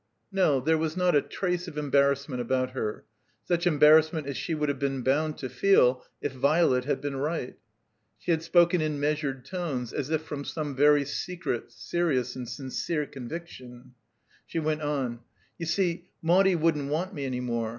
No. There was not a trace of embarrassment about her, such embarrassment as she would have been botmd to feel if Violet had been right. She had spoken in measured tones, as if from some very serious, secret, and sincere conviction. She went on. "You see, Maudie won't want me any more.